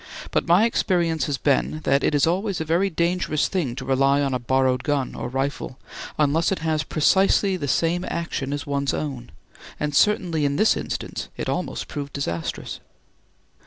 But my experience has been that it is always a very dangerous thing to rely on a borrowed gun or rifle, unless it has precisely the same action as one's own; and certainly in this instance it almost proved disastrous.